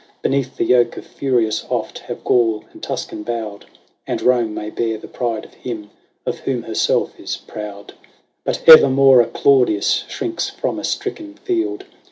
Beneath the yoke of Furius oft have Gaul and Tuscan bowed ; And Rome may bear the pride of him of whom herself is proud. But evermore a Claudius shrinks from a stricken field.